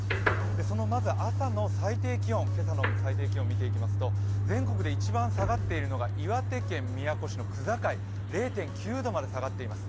そのまず今朝の最低気温見ていきますと全国で一番下がっているのが岩手県宮古市の区界、０．９度まで下がっています。